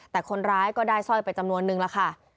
แต่คนร้ายก็ได้สร้อยไปจำนวนนึงแล้วค่ะ